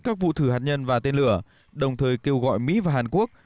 các vụ thử hạt nhân và tên lửa đồng thời kêu gọi mỹ và hàn quốc